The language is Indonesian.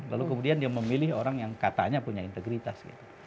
lalu kemudian dia memilih orang yang katanya punya integritas gitu